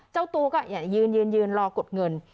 เจ้าตัวก็ยืนรอกดเงิน